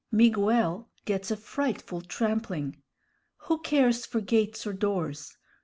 Miguel gets a frightful trampling. Who cares for gates or doors?